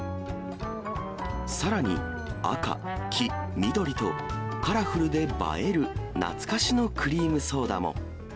さらに、赤、黄、緑と、カラフルで映える懐かしのクリームソーダも。